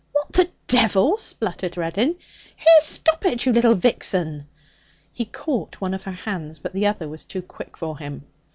'What the devil!' spluttered Reddin. 'Here, stop it, you little vixen!' He caught one of her hands, but the other was too quick for him.